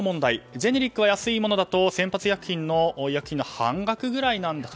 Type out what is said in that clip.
ジェネリックは安いものだと先発医薬品の半額くらいなんだと。